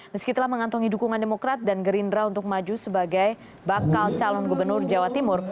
meski telah mengantongi dukungan demokrat dan gerindra untuk maju sebagai bakal calon gubernur jawa timur